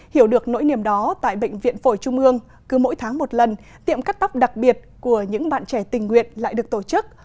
hiểu được nỗi niềm đó tại bệnh viện phổi trung ương cứ mỗi tháng một lần tiệm cắt tóc đặc biệt của những bạn trẻ tình nguyện lại được tổ chức